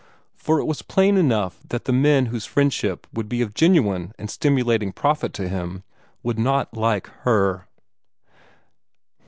For it was plain enough that the men whose friendship would be of genuine and stimulating profit to him would not like her.